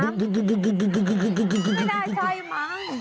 ไม่ได้ใช่มั้ง